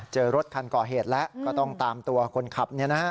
เจอรถคันก่อเหตุแล้วก็ต้องตามตัวคนขับเนี่ยนะ